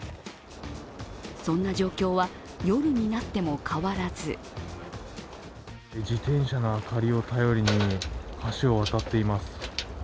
そんな状況は夜になっても変わらず自転車の明かりを頼りに橋を渡っています。